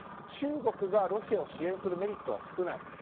中国がロシアを支援するメリットは少ない。